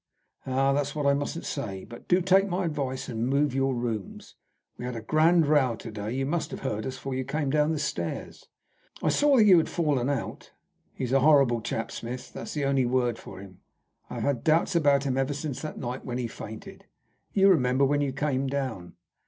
"Ah, that's what I mustn't say. But do take my advice, and move your rooms. We had a grand row to day. You must have heard us, for you came down the stairs." "I saw that you had fallen out." "He's a horrible chap, Smith. That is the only word for him. I have had doubts about him ever since that night when he fainted you remember, when you came down.